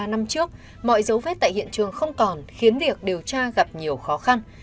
ba năm trước mọi dấu vết tại hiện trường không còn khiến việc điều tra gặp nhiều khó khăn